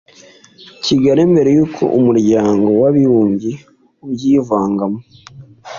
kigali mbere y'uko umuryango w'abibumbye ubyivangamo.